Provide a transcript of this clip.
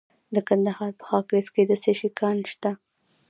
د کندهار په خاکریز کې د څه شي کان دی؟